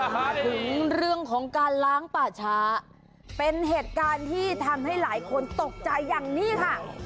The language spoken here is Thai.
มาถึงเรื่องของการล้างป่าช้าเป็นเหตุการณ์ที่ทำให้หลายคนตกใจอย่างนี้ค่ะ